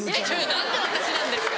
何で私なんですか？